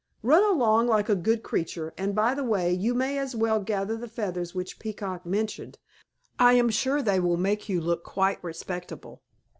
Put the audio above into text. Run along like a good creature; and by the way, you may as well gather the feathers which Peacock mentioned. I am sure they will make you look quite respectable.